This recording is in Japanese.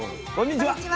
こんにちは。